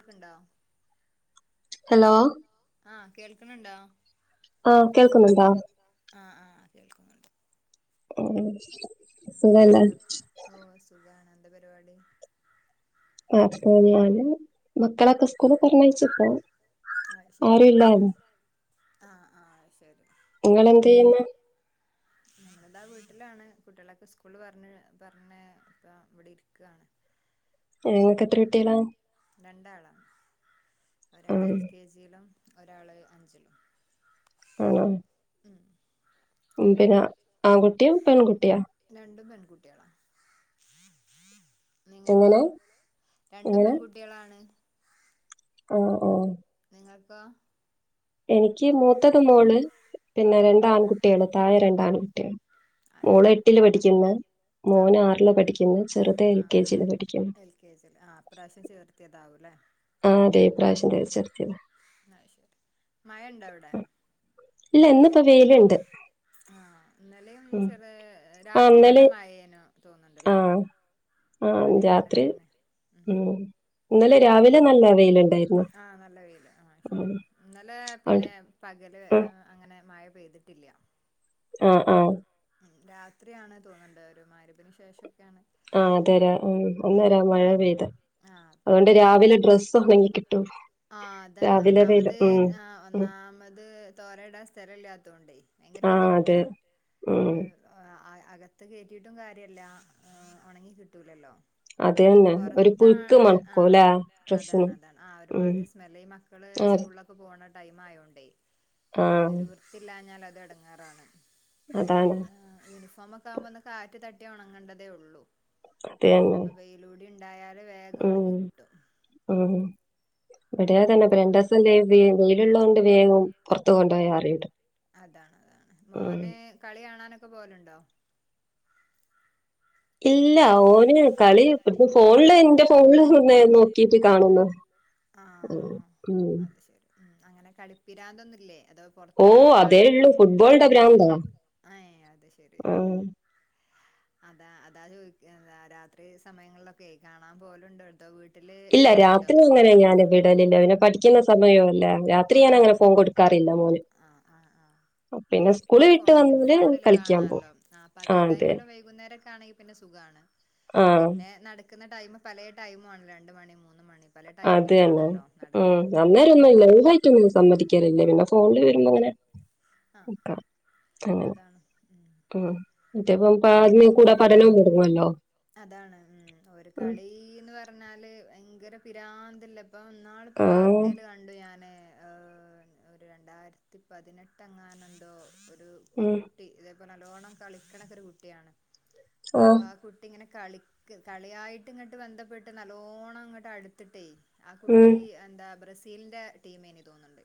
കേൾക്കുന്നുണ്ടോ ഹലോ ആഹ് കേൾക്കണണ്ടോ ആഹ് കേൾക്കുന്നുണ്ടോ ആഹ് ആഹ് കേൾക്കുന്നുണ്ട് ഉം ഉം സുഖല്ലേ എന്താ ഓ സുഖാണ് എന്താ പരിപാടി ആ ഞാന് മക്കളൊക്കെ സ്കൂളിൽ പറഞ്ഞയച്ചപ്പോ അത് ശരി ആരും ഇല്ലരുന്നു ആഹ് ആഹ് നിങ്ങള് എന്ത് ചെയ്യുന്നു എന്താ വീട്ടിലാണ് കുട്ടികളൊക്കെ സ്കൂള് പറഞ്ഞ് ഇപ്പോ ഇവിടെ ഇരിക്കുകയാണ് നിങ്ങൾക്ക് എത്ര കുട്ടികളാ രണ്ടാളാണ് ഒരാള് ആഹ് എൽ കെ ജിയിലും ഒരാള് അഞ്ചിലും ആഹ് ഉം പിന്നെ ആൺകുട്ടിയാ പെൺകുട്ടിയാ രണ്ടും പെൺകുട്ടികളാ നിങ്ങക്കോ എങ്ങനെ രണ്ടും പെൺകുട്ടികളാണ് ഓ ഓ നിങ്ങക്കോ എനിക്ക് മൂത്തത് മോള് പിന്നെ ആഹ് രണ്ട് ആൺകുട്ടികള് താഴെ രണ്ട് ആൺകുട്ടികള് അത് മോള് ശരി ഉം എട്ടില് പഠിക്കുന്നു ആഹ് മോന് ആറില് പഠിക്കുന്നു ചെറുത് എൽ ആഹ് കെ ജിയില് പഠിക്കുന്നു എൽ കെ ജിൽ ആ ഇപ്രാവശ്യം ചേർത്തിയതാവൂല്ലേ ആഹ് അതെ ഇപ്രാവശ്യം ആ ശരി മഴ ഉണ്ടോ അവിടെ ഇല്ല ഇന്നിപ്പം വെയിലുണ്ട് ആ ഇന്നലെയും ഉം ചെറ ആഹ് രാത്രി നല്ല ഇന്നലെ മഴേനു തോന്നുന്നുണ്ടല്ലേ ആഹ് ആഹ് ഇവിടെ അങ്ങനെ രാത്രി തന്നെ ഉം മ്മ് ഇന്നലെ രാവിലെ നല്ല വെയിലുണ്ട്. ആഹ് നല്ല വെയിലാ ആഹ് ശരി ഇന്നലെ അത് പിന്നെ പകല്. ആ, അങ്ങനെ [unintelligible] മഴ പെയ്തിട്ടില്ല ആ ആഹ് രാത്രിയാണ് തോന്നുണ്ട്ഒരു മഗ്‌രിബിന് ശേഷം ആഹ് അതെ ആ അന്നേരം മഴ പെയ്തത് ആ അതുകൊണ്ട് പെയ്തത് രാവിലെ ഡ്രസ്സ് ഉണങ്ങി കിട്ടും ആഹ് അതാണ് രാവിലെ വെയില് ഒന്നാമത് ഉം ആഹ് ഉം ഒന്നാമത് തോരൻ ഇടാൻ സ്ഥലം ഇല്ലാത്തോണ്ടേ ഭങ്കര ആ അതെ ബുദ്ധിമുട്ടാ ഉം. അഹ് ആ അകത്ത് കയറ്റിയിട്ടും കാര്യമില്ല ഉണങ്ങി കിട്ടൂലല്ലോ. അത് തന്നെ ഒരു പുഴുക്ക് പൊറത്താണ് ആ മണക്കൂലേ ഡ്രസ്സിന് അതാണ് അതാണ് ആ ഉം ഒരുമാതിരി സ്മെല്ല് ഈ മക്കള്. ആ സ്കൂളിലൊക്കെ പോണ ടൈം ആയോണ്ടേ ആ അതൊരു വൃത്തിയില്ലാഞ്ഞാൽ അത് എടങ്ങേറാണ്. അതാണ്. യൂണിഫോമം ഒക്കെ ആകുമ്പോ ഒന്ന് കാറ്റ് തട്ടിയാ ഉണങ്ങേണ്ടതേ ഉള്ളൂ. അത് തന്നെ അപ്പൊ വെയിലൂടി ഉണ്ടായാല് വേഗം ഉണങ്ങി ഉം കിട്ടും. ഉം ഇവിടെ അതന്നെ രണ്ടുദിവസം അല്ലേ വെയിലുള്ളതോണ്ട് വേഗം പൊറത്ത് കൊണ്ടുപോയ് ആറിയിടും. അതാണ് അതാണ് ഉം മോന് കളി കാണാനൊക്കെ പോവലുണ്ടോ? ഇല്ല ഓന് കളി ഫോണില് എന്റെ ഫോണില് നിന്നാ നോക്കിട്ട് കാണുന്നെ. ആ അത് ശരി ഉം അങ്ങനെ കളി പിരാന്തൊന്നുവില്ലേ? ഓ അതേ ഉള്ളൂ ഫുട്ബോളിന്റെ ഭ്രാന്താ ഏഹ് അത് ശരി ആ. അതാ അതാ ചോദിച്ചെ രാത്രി സമയങ്ങളിലൊക്കെയേ കാണാൻ പോകലുണ്ടോ അടുത്ത വീട്ട് ഇല്ല രാത്രി അങ്ങനെ ഞാൻ വിടലില്ല പിന്നെ പഠിക്കുന്ന സമയവും അല്ലേ. രാത്രി ഞാൻ അങ്ങനെ ഫോൺ കൊടുക്കാറില്ല മോന്. പിന്നെ അയ്ശരി സ്കൂള് വിട്ട് ഫോണില് വന്നാല് ഫോണില് കളിക്കാൻ പോവും. കാണാല്ലോ ആ പകൽ ആഹ് അതെ. ടൈമില് വൈകുന്നേരമൊക്കെയാണെങ്കിൽ പിന്നെ സ കാണാൻ ആഹ് പിന്നെ നടക്കുന്ന ടൈം പല ടൈമാണ് രണ്ട് മണി മൂന്ന് മണി. പല അത് തന്നെ ടൈമിലാണല്ലോ ഉം നടക്കുന്നത് അന്നേരം ഭയങ്കര ഒന്നുമില്ല. [unintelligible] റ്റും സമ്മതിക്കാറില്ലേ പിന്നെ ഫോണില് വരുമ്പോയിങ്ങനെ. ആ ആ അതാണ് ഉം ആ മറ്റേപ്പം ബാഡ്മിൻ കൂടെ പഠനവും കൂടുമല്ലോ. അതാണ് ഉം ഒരു കളീന്ന് പറഞ്ഞാല് ഭയങ്കര പിരാന്തല്ലെ. ഇപ്പം ഇന്നാളിപ്പം ആഹ്. വാർത്തേല് കണ്ടു ഞാന്. ഒരു രണ്ടായിരത്തി പതിനെട്ടെങ്ങാനെന്തോ ഒരു ഒരു ഉം. കുട്ടി ഇത് ഇപ്പം നല്ലോണം കളിക്കണ ഒക്കെ ഒരു കുട്ടിയാണ് അപ്പൊ ആഹ്. ആ കുട്ടി ഇങ്ങനെ കളി കളിയായിട്ട് ഇങ്ങോട്ട് ബന്ധപ്പെട്ട് നല്ലോണം ഇങ്ങട്ട് അടുത്തിട്ടേ ആ ഉം. കുട്ടി എന്താ ബ്രസീലിന്റെ ടീമേയ്ന് തോന്നുന്നുണ്ട്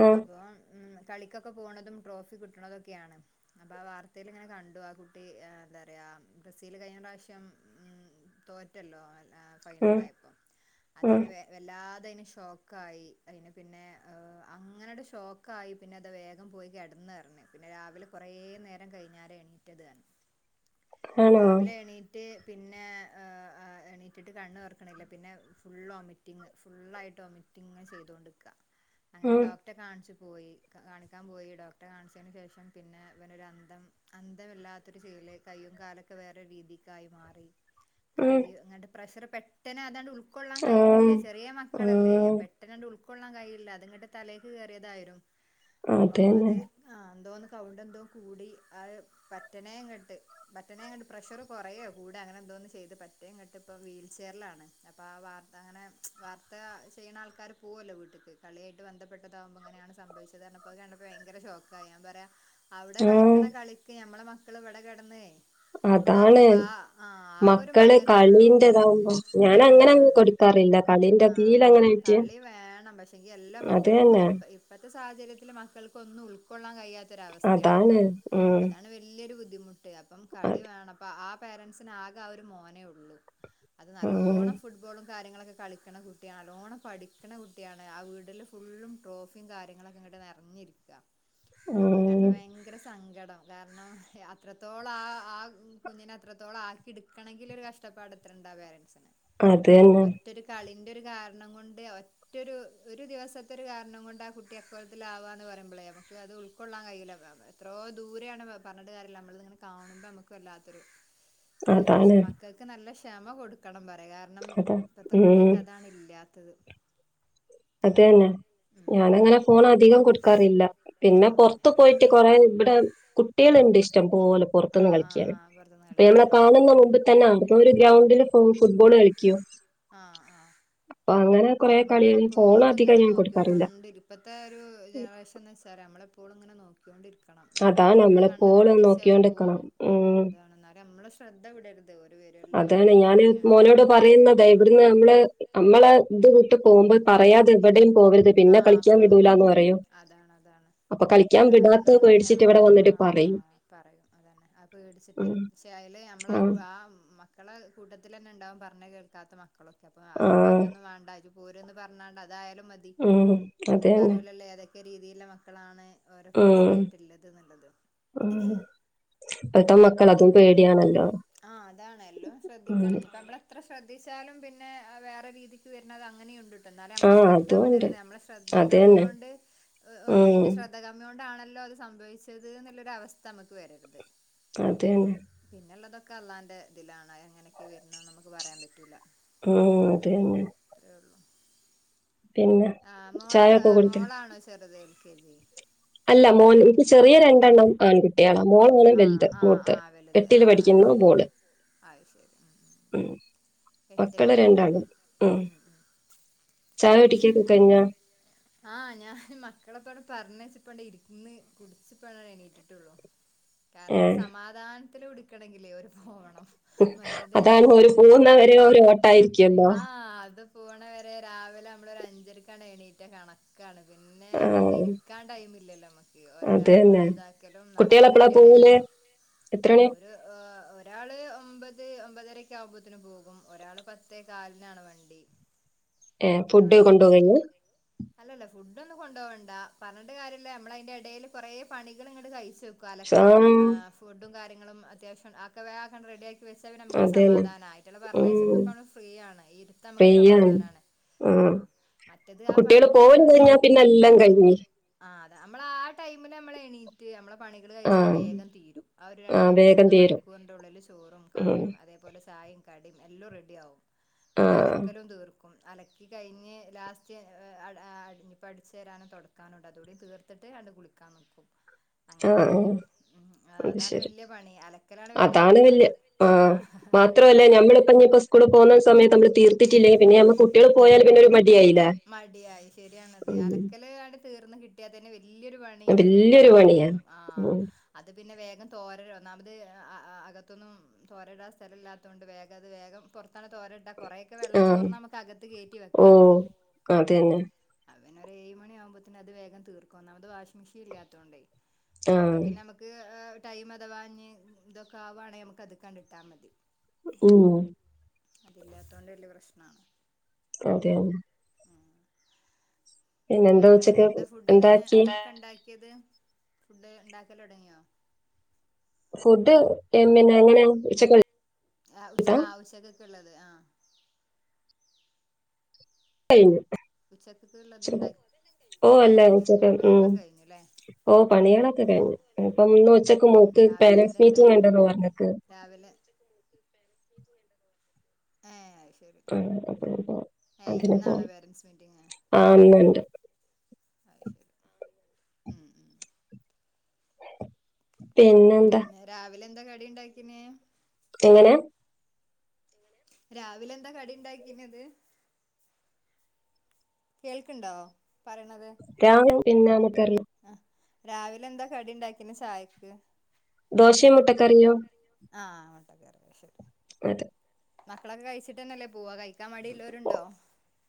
ഉം അപ്പൊ ഉം. കളിക്കൊക്കെ പോകണതും ട്രോഫി കിട്ടണതൊക്കെയാണ് അപ്പൊ ആ വാർത്തേൽ ഇങ്ങനെ കണ്ടു ആ കുട്ടി എന്താ പറയാ റി ബ്രസീല് കഴിഞ്ഞ പ്രാവശ്യം തോറ്റല്ലോ. ഫൈനൽ ഉം ആയപ്പോ അത് ഉം യിന് വല്ലാ തെ അതയിന് ഷോക്ക് ആയി അതിന് പിന്നെ അങ്ങനട് ഷോക്കായി പിന്നെ അത് വേഗം പോയി കെടന്ന്. പറഞ്ഞ് പിന്നെ രാവിലെ കുറേ നേരം കഴിഞ്ഞാര് എണീറ്റത് തന്നെ. ആണോ? രാവിലെ എണീറ്റ് പിന്നെ അ ആ. എണീറ്റിട്ട് കണ്ണ് തൊറക്കണില്ല പിന്നെ ഫുൾ വൊമിറ്റിംഗ് ഫുള്ളായിട്ട് വൊമിറ്റിംഗ് ഇങ്ങനെ ചെയ്തോണ്ടിരിക്ക. അങ്ങനെ ഉം ഡോക്ടറെ കാണിച്ചു. പോയി കാണിക്കാൻ പോയി ഡോക്ടറെ കാണിച്ചതിന് ശേഷം പിന്നെ ഇവനൊരു അന്തം അന്തമില്ലാത്തൊരു ചെയ്യല് കയ്യും കാലും വേറെ രീതിക്കായി മാറി ഉം കളി അങ്ങാണ്ട് പ്രഷറ് പെട്ടനെ അതാണ് ഉൾ ഉൾകൊള്ളൻ ആം കഴിയണില്ല ചെറിയ മക്കളല്ലേ ആഹ് പെട്ടന്നങ്ങ് ഉൾ ഉൾ കൊള്ളാൻ കഴിയില്ല അതങ്ങട്ട് തലക്ക് കേറിയതായിരുന്നു അപ്പം അതന്നെ അത് ആ എന്തോന്ന് കൗണ്ട് എന്തോ കൂടി ആ പറ്റനേയും ഇങ്ങട്ട് പറ്റ പറ്റനേ കണ്ട് പ്രഷറ് കുറയോ കൂടോ അങ്ങനെന്തോന്ന് ചെയ്ത് പറ്റിയേം ഇങ്ങോട്ട് ഇപ്പം വീൽ ചെയറിലാണ് അപ്പ ആ വാർത്ത. അങ്ങനെ വാർത്ത ചെയ്യുന്ന ആൾക്കാര് പോവല്ലോ വീട്ട്ക്ക് കളിയായിട്ട് ബന്ധപ്പെട്ടതാകുമ്പോൾ ഇങ്ങനെയാണ് സംഭവിച്ചത് എന്നൊക്കെ. കണ്ടപ്പോ ഭയങ്കര ഷോക്കായി ഞാൻ പറയാ അവിടെ ആഹ് കളിക്കണ കളിക്ക് ഞമ്മള മക്കൾ ഇവിടെ കിടന്നേ അതാണ് ആകെ ഒരു മക്കള് മകനേ ഉള്ളൂ കളീന്റെതാവുമ്പം ഞാൻ അങ്ങനെ അങ്ങ് കൊടുക്കാ ആ കളി വേണം പക്ഷെങ്കി എല്ലാം നമ്മക്ക് അത് ഉൾക്കൊ തന്നെ ഇപ്പ ഇപ്പത്തെ സാഹചര്യത്തിൽ മക്കൾക്കൊന്നും ഉൾക്കൊള്ളാൻ കഴിയാത്തൊര അതാണ് അവസ്ഥയാണല്ലോ. ഉം അതാണ് വല്ല്യരു ബുദ്ധി ബുദ്ധിമുട്ട് അപ്പം കളി അത് വേണം പ്പ ആ പേരന്റ്സിന് ആകെ ആ ഒരു മോനേയുള്ളൂ. അത് ഉം നല്ലോണം ഫുട്ബോളും. കാര്യങ്ങളൊക്കെ കളിക്കണ കുട്ടിയാ അലോണം പഠിക്കണ കുട്ടിയാണ് ആ വീട്ടില് ഫുള്ളും ട്രോഫിം കാര്യങ്ങളൊക്കെങ്ങ വടെ നെർഞിരിക്ക അപ്പ ഉം കണ്ടപ്പ ഭയങ്കര സങ്കടം കാരണം യ അത്രത്തോ ഓള ആ ആ കുഞ്ഞിനെ അത്രത്തോളാക്കി ഇട്ക്കണെങ്കിലൊരു കഷ്ടപ്പാട് എത്ര ണ്ടാ പേര അത് തന്നെ മറ്റൊരു കളി. ൻ്റരു കാരണംകൊണ്ട് ഒറ്റരു ഒരു ദിവസത്തരു കാരണം കൊണ്ട് ആ കുട്ടി അക്കോൽത്തിലാവാന്ന് പറിമ്പളേ. നമക്ക് അത് ഉൾക്കൊള്ളാൻ കഴയില്ല എത്രോ ദൂരെണ് പറഞ്ഞട്ട കാര്യല്ല നമ്മളങ്ങനെ- കാണുമ്പോ ഞമക്ക് വല്ലാത്തൊരു ത് പക്ഷെ അതാണ് മക്കക്ക് നല്ല ക്ഷമ കൊടുക്കണം പറ- ണ്ട് കാരണം അതാ പ്പത്തെ ഉം കുട്ട്യേക്ക് അതാണ് ഇല്ലാത്തത്. അത തന്നെ. ഉം ഞാനങ്ങനെ ഫോൺ അധികം കൊടുക്കാറില്ല. പിന്നെ ആഹ് പൊർത്ത് പോയിട്ട് കൊറെേ ഇവിടെ ട്ട്യള്ണ്ട് ഇഷ്ടം പോല പൊർത്തുന്ന് ആഹ് ആഹ് കളിക്ക്യാന്. ആഹ് പുറത്തുന്ന് പ്പ മ്മളെ കളിക്കാനാ കാണുന്ന മുമ്പ് തന്നെ പ്പൊ വര് ഗ്രൗണ്ടില് ഫു ഫുട്ബോള് കളിക്ക്യോ. ആഹ് ആഹ് അപ്പൊ അങ്ങനെ കൊറെേ കളിക ഇപ്പോളും ഇങ്ങനെ നോക്കിക്കൊണ്ടിരി പ്പത്തെ ഒരു ജനറേഷൻന്ന് ച്ചാൽ നമ്മളെപ്പോളുംങ്ങനെ നോക്ക്യോണ്ടിരിക്ക അതാ നമ്മളെപ്പോളും നോക്ക്യോണ്ട്ക്കണം പോകും ഉം. അതാണ് എന്നാലും നമ്മളെ ശ്രദ്ധ വിടര്ത് ഒ- അതാണ് ഞാന് മോനോട് പറയുന്നത ഇവിടുന്ന് നമ്മള്. അമ്മളെ ത് വ്ട്ട് പോവുമ്പൾ പറയാതെ എവിടിം പോവരുത് പിന്നെ ആഹ് കളിക്കാൻ പോകൽ വിടൂലന്ന് പറയു- അതാണ് അതാണ് കാരണം ഞ്ഞം ആ പറയും പറയും അതന്നെ അ പേടിച്ചിട്ട്. ഉം ശേ അല്ലെ നമ്മളാ കു ആ മ- ക്കളെ കൂട്ടത്തിലന്നെ ണ്ടാവും പറഞ്ഞ കേക്കാത്ത മക്കളൊക്കെ പ്പൊ ആ അന്ന് പറയൊന്നും വേണ്ടരും- ഓരന്ന് പർഞ്ഞാണ്ടതായാലും മ ഉം അത തന്നെ. ഒക്ക രീതിള്ള മക്കളാണ് ഓരോ ഉം ഫ്രണ്ട്സിലായിട്ടുള്ളത് ന്നുള്ളത്. പ്പത്തെ മക്കൾ അതും പേട്യാണല്ലോ. ആഹ് അതാണ് എല്ലും ശ്രദ്ധിക്കണം ഞ്പ്പ മ്മളത്ര- ശ്രദ്ധിച്ചാലും പിന്നെ വേറെ രീതിക്ക് വര്ണതങ്ങനെയുണ്ട്. തന്നാലും ആ നമ്മളെ ശ്രദ്ധ അതും ഉണ്ട് വിടരുത് നമ്മളെ ശ്രദ്ധ അത് തന്നെ കമ്മിയോണ്ട് ഉം എന്റെ ശ്രദ്ധ കമ്മിയൊണ്ടാണ- ല്ലോ അത് സംഭവിച്ചത് ന്നുള്ളൊര വസ്ഥ അമ്മക്ക് വരരുത്. അത തന്നെ. ക്കെ അള്ളാന്റെ തിലാണ് അവ് എങ്ങനെക്കെ വര്ണന്ന് നമുക്ക് പറയാൻ പറ്റൂല. ഉം അത തന്നെ. പിന്നെ ആ് മോളെ പ്പള ചായൊക്കെ ഏ കുടിച്ചോ മോളാണോ ചെറുത് എൽ കെ ജി. അല്ല മോൻ ൻക്ക് ചെറിയ രണ്ടെണ്ണം ആൺകുട്ട്യള. മോളാണ് ആഹ് വൽത് ആഹ് മൂത്ത് ആഹ് വലുത് എട്ടില് ആഹ് പഠിക്കുന്നു ബോള്. അത് ശരി ഉ ഉ. മക്കള് രണ്ടാള് ഉം. ചായ കുടിക്കൊക്കെ കഴിഞ്ഞോ [unintelligible] ആഹ ഞാൻ മക്കളെപ്പട് പറഞ്ഞച്ചി- പ്പണ്ടിര്ന്ന് കുട്ച്ച്പ്പണ്ടണീട്ടിട്ടുള്ളൂ കാരണരു ഏഹ് സമാധാൻ- ത്തില് കുടുക്കണങ്കില് ഓരു പോണം. അതാണ് ഒരു പോന്നവരെ ഒരു ഓട്ടായിരിക്കല്ലോ. ആഹ് അത് പോണ വരെ രാവിലെ നമ്മളൊരു അഞ്ചരക്കാണ്ട് എണീറ്റാ കണക്കാണ്. പിന്നെ ആഹ. ഒന്ന് ഇരിക്കാടൈംല്ലല്ലോ അമ്മക്ക് ഓരോ അത് കാര്യങ്ങൾ തന്നെ ഇതാക്കലും നലക്കലൈൻ്റെ ടെൽ എത്രാണ്? രാള് ഒമ്പത് ഒമ്പതരക്കെ ആവുമ്പോത്തിന് പോകും ഒരാൾ പ ത്തെ കാൽനാണ് വണ്ടി. ഏ ഇബടെ ഫുഡ് വണ്ടി കൊണ്ടോവെ കേറ്റി [unintelligible] അല്ലല്ല ഫുഡോന്നും കൊണ്ടോവണ്ടാ പറഞ്ഞിട്ട് കാര്യല്ല്യാ മ്മളയ്ന്റെടേൽ കൊറേ പണികള്ങ്ങട്ട് കയ് ച്ചക്കും. അലക്കലും ആഹ് ഏ ഫുഡും കാര്യങ്ങളും അത്യാവശ്യം അ ഒക്കെ വേക്കണ്ട് റെഡി ആക്കി വെച്ചാ പിന്നെ ഞമ്മക്കൊരു അത് തന്നെ സമാധാനാ അയ്റ്റളെ പറഞ്ഞയ്ച്ചപ്പ ഉം നമ്മള് ഫ്രീ ആണ് ഈ ഇരുത്തമ്മക്ക് ഫ്രീയാണ് സമാധാനാണ്. ആഹ് മറ്റത് ആ കുട്ടികള് പണിങ്ങനെ പോയി കഴിഞ്ഞാ പിന്നെല്ലാം കയ്ഞ്. നമ്മളാ ടൈംമിലമ്മള് എണീറ്റ് മ്മളെ പണികള് കഴിച്ചാ ആഹ് വേഗം തീരും. ആ ഒരു രണ്ട് ആഹ് വേഗം മൂന്ന് തീരും മണിക്കൂറിന്റുള്ളില് ചോറും ഉം കറിയും അതേപോലെ ചായിം കടിയും എല്ലൊം റെഡിയാവും. പിന്നെ ആഹ് അലക്കലും തീർ ക്കും. അലക്കി കഴിഞ്ഞ് ലാസ്റ്റ് അ അ അട നിപ്പോ അടിചരാനും തൊടക്കാനുണ്ട് അതൂടി തീർത് ട്ട് ആണ്ട് കുളിക്കാൻ നിക്കും. ആഹ് അങ്ങനാചെയ്യാ. ഉം അത് അതാണ് ശരി വല്യ പണി അലക്കലാണ് വല്യ പണി അത് ആഹ് മാത്രല്ല ഞമ്മളിപ്പഞ്ഞിപ്പോ സ്കൂള് പോവുന്ന സമയത് നമ്മള് തീർത്തിട്ടില്ലേ പിന്നെ നമ്മ കുട്ട്യാള് പോയാല് പിന്നൊരു മ മടിയായി ശരിയാണത്. അലക്കല് ആണ്ട് തീർന്ന് കിട്ടിയാ തന്നെ വ ല്യൊരുപണി വലിയൊരു തീർന്നപോലെ പണിയാ തോന്നും. ആഹ് ഉം. അത് പിന്നെ വേഗം തോരടും ഒന്നാമത് അ അ അകത്തൊന്നും തോരടാസ്ഥലല്യാതോണ്ട് വേഗത് വേഗം പൊർ ത്തണ് തോരട്ടാ കൊറെക്കെ ആ വെള്ളം ചോർന്നാ നമുക്ക് അകത്ത് കേറ്റി വെക്കാലോ. ക്ക അതെന്നെ. പിന്നൊരു ഏഴ്മണി ആവുമ്പോത്തീന് അത് വേഗം തീർക്കും ഒന്നാമത് വാഷിങ് മെഷീ ഇല്ലാത്തോണ്ടേ. ആ അല്ലെങ്കിൽ പിന്നെ മ്മക്ക് ടൈം അതവാഞ്ഞ് ഇതൊക്കെ ആവാണെങ്കി മ്മക്കത്ക്കാണ്ടിട്ടാ മതി. ഉം അതില്ലാത്തൊണ്ട് വല്ല്യ പ്രശ്നാ. അതെന്നെ പിന്നെന്താ വേറെ ഉച്ചക്ക് എന്താ ഫുഡിന് ഉണ്ടാക്കി എന്തൊക്കെണ്ടാ ക്കിയത്? ഫുഡ് ഇണ്ടാക്കലൊടങ്ങിയോ? ഫുഡ് [unintelligible] എങ്ങനെ ഉച്ചക്ള്ള ആ ഉച ഉച്ചക്കെക്കെള്ളത്. ആഹ് കയ്ഞു. ഉച്ചക്കക്കള്ളത്ണ്ടാക്കി. ഓ ഏഹ് അല്ല അഹ് ശരി. ഉച്ചക്ക് ഉം പണികളൊക്കെ കഴിഞ്ഞുല്ലേ. ഓ പണികളൊക്കെ കഴിഞ്ഞു. ഇനിപ്പം ഇന്ന് ഉച്ചക് ഉം മോക്ക് രാവിലെ എന്താ പേരന്റ്സ് ഉണ്ടാക്കി മീറ്റിംഗ്ണ്ട് ന്ന് പറഞ്ഞ്ക്ക്‌. രാവിലെ ഏഹ് [unintelligible] എ ഇന്നാണോ പേരൻറ്സ് മീറ്റിംഗ്? ന്ന് ണ്ട്. അഹ് ശരി. ആഹ്. ഉം ഉം. പിന്നെന്താ പിന്നെ രാവിലെന്താ കടിണ്ടാക്കീ ന്യേ? എങ്ങനെ? രാവിലെന്താ കടിണ്ടാക്കിന്യത്? കേൾക്ക്‌ണ്ടോ? രാവിലെ പിന്ന [unintelligible] രാവിലെന്താ കടിണ്ടാക്കിന് ചായക്ക്? ദോശയും മുട്ടക്കറിയും. ആ [unintelligible] അതെ. മക്കളൊക്കെ കഴിച്ചിട്ടന്നല്ലേ പോവാ. കഴിക്കാൻ മടിള്ളോരുണ്ടൊ?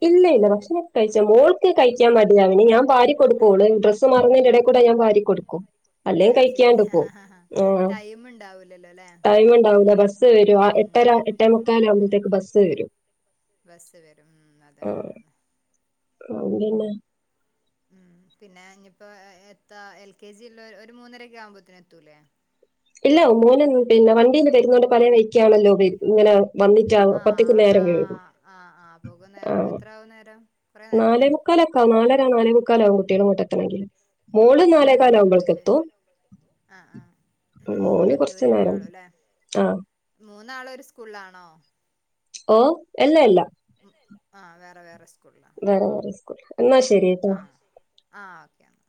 ഇല്ല ഇല്ല ഭക്ഷണൊക്കെ കയ്ച്ച മോൾക്ക് കഴിക്കാൻ മടിയാ. പിന്നെ ഞാൻ വാരി കൊട്ക്കും. ഓള് ഡ്രസ്സ് മാറുന്നേൻ്റെ എടേക്കുടെ അല്ല ഞാൻ വാരി കൊടുക്കും. അല്ലേ അത് ശരി കഴിക്കാണ്ട് പോവും ആ ടൈം ഉണ്ടാവൂലല്ലോ അല്ലേ ടൈമ്ണ്ടാവുലാ ബസ് വരും. ആറെ ഉം എട്ടര എട്ടേമുക്കാലാവുമ്പത്തേക്ക് ബസ് വരും. ബസ് വരും മം. ആ ആ പിന്നെ. ഉം പിന്നെ ഇനിപ്പോ എത്ത എൽ കെ ജി ഉള്ള ഒരു മൂന്നരക്കെ ആവുമ്പോത്തന എത്തൂലേ? ഇല്ല മോനേ പിന്നെ വണ്ടിൽ വരുന്നണ്ട് പല വഴിക്കയാണല്ലോ വ ഇങ്ങനെ വന്നിട്ടാ പത്തിക്ക ആഹ് നേരം വീഴു ആഹ് ആഹ് ആഹ് പോകും നേരം ആഹ എത്ര ആവും നേരം കുറേ നേരാവോ നാലേമുക്കാലൊക്കാ നാലര നാലേ മുക്കാലാവും കുട്ടിയാൾ ഇങ്ങട്ടെത്തണെങ്കില്. മോള് നാലേകാല ആവുമ്പോൾക്ക എത്തും. ആഹ ആഹ മോന് കുറച്ചു മറ്റൂര് നേരം രണ്ടാളുല്ലേ ആ മൂന്നാള ഒരു സ്കൂളാണോ? ഓ എല്ല എല്ല. വേ വേറെ സ്കൂ വേറെറെ സ്കൂള്. ആഹ ആഹ ഓക്കെ എന്ന